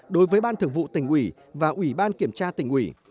đối với ban thường vụ tình ủy và ủy ban kiểm tra tình ủy